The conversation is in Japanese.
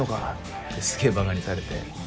ってすげぇばかにされて。